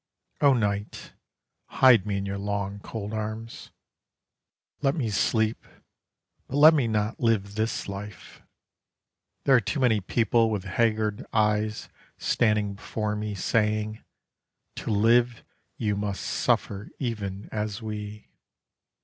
O night, hide me in your long cold arms: Let me sleep, but let me not live this life! There are too many people with haggard eyes standing before me Saying, "To live you must suffer even as we."